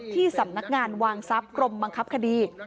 ที่สำนักงานวางทรัพย์กรมบังคับคดี